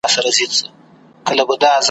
نه رقیب نه یې آزار وي وېره نه وي له اسمانه ,